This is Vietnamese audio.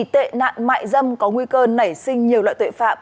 tệ nạn mại dâm có nguy cơ nảy sinh nhiều loại tội phạm